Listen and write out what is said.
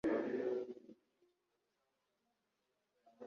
Kandi iyo tubonye umuntu udasanzwe uhuye nuwacu,